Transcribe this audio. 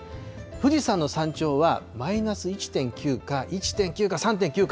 富士山の山頂は、マイナス１．９か１．９か３．９か。